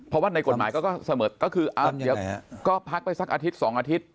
เพราะว่าในกฎหมายก็เสมอก็คือเดี๋ยวก็พักไปสักอาทิตย์๒อาทิตย์